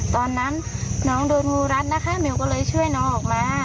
ตอนนั้นน้องโดนงูรัดนะคะมิวก็เลยช่วยน้องออกมา